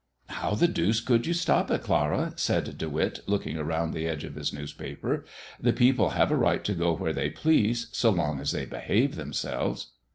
"How the deuce would you stop it, Clara?" said De Witt, looking around the edge of his newspaper. "The people have a right to go where they please, so long as they behave themselves."